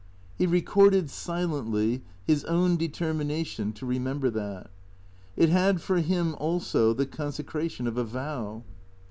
He recorded, silently, his own determina tion to remember that. It had for him, also, the consecration of a vow.